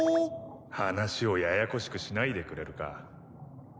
話をややこしくしないでくれるか。